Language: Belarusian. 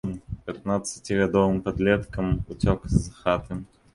Пятнаццацігадовым падлеткам уцёк з хаты.